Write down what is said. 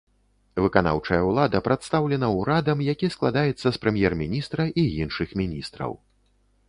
Выканаўчая ўлада прадстаўлена урадам, які складаецца з прэм'ер-міністра і іншых міністраў.